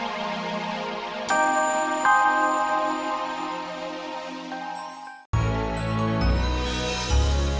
nah itu udah pungeng sis